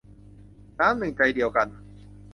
น้ำหนึ่งใจเดียวกัน